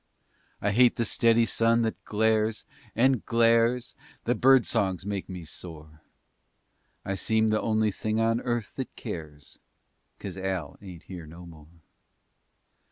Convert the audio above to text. I hate the steady sun that glares, and glares! The bird songs make me sore. I seem the only thing on earth that cares 'Cause Al ain't here no more!